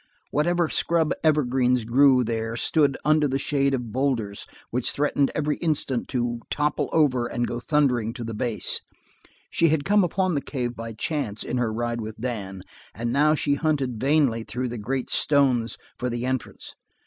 Whatever scrub evergreens grew there stood under the shade of boulders which threatened each instant to topple over and go thundering to the base. She had come upon the cave by chance in her ride with Dan, and now she hunted vainly through the great stones for the entrance.